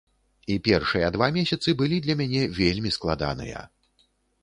І першыя два месяцы былі для мяне вельмі складаныя.